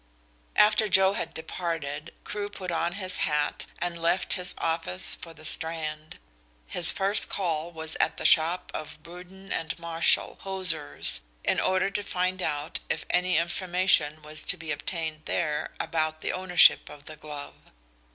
After Joe had departed Crewe put on his hat and left his office for the Strand. His first call was at the shop of Bruden and Marshall, hosiers, in order to find out if any information was to be obtained there about the ownership of the glove.